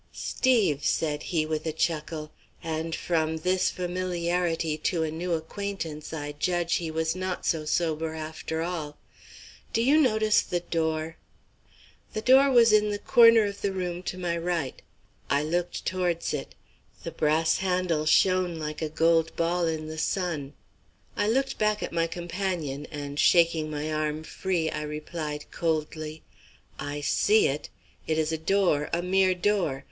"Steve," said he, with a chuckle, and from this familiarity to a new acquaintance I judge he was not so sober after all, "do you notice the door?" The door was in the corner of the room to my right. I looked towards it: the brass handle shone like a gold ball in the sun. I looked back at my companion, and, shaking my arm free, I replied coldly: "I see it. It is a door, a mere door.